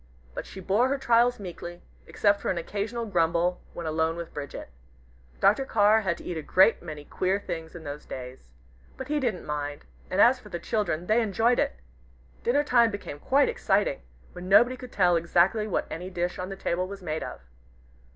But she bore her trials meekly, except for an occasional grumble when alone with Bridget. Dr. Carr had to eat a great many queer things in those days. But he didn't mind, and as for the children, they enjoyed it. Dinner time became quite exciting, when nobody could tell exactly what any dish on the table was made of.